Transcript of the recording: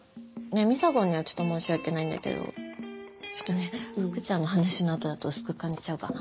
みさごんにはちょっと申し訳ないんだけどちょっとね福ちゃんの話の後だと薄く感じちゃうかな。